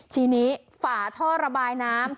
ทีนี้ฝาท่อระบายน้ำ